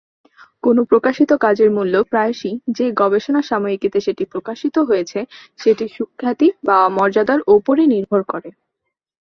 কোনও প্রকাশিত কাজের মূল্য প্রায়শই যে গবেষণা সাময়িকীতে সেটি প্রকাশিত হয়েছে, সেটির সুখ্যাতি বা মর্যাদার উপরে নির্ভর করে।